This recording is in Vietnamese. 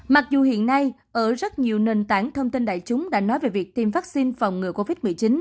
mặc dù hiện nay ở rất nhiều nền tảng thông tin đại chúng đã nói về việc tiêm vaccine phòng ngừa covid một mươi chín